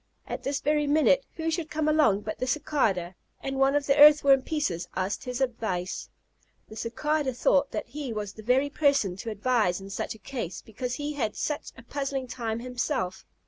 At this very minute, who should come along but the Cicada, and one of the Earthworm pieces asked his advice. The Cicada thought that he was the very person to advise in such a case, because he had had such a puzzling time himself.